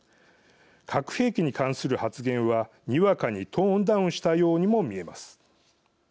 核兵器に関する発言は、にわかにトーンダウンしたようにも見えます。